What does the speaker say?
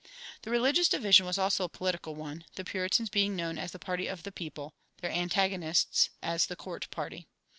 The religious division was also a political one, the Puritans being known as the party of the people, their antagonists as the court party.